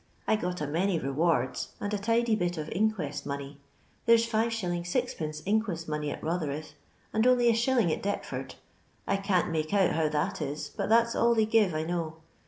I got a many rewards, and a tidy bit of inquest money. There 's Si. fid, inquest money at Rotherhithe, and on'y a shillin* at Deptford ; I can't make out how that is, but that *s all they gire, I know.